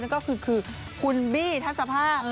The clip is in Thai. นั่นก็คือคุณบี้ถัดสภาพ